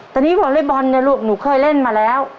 แต่นี่วอเล็กบอลเนี่ยลูกหนูเคยเล่นมาแล้ว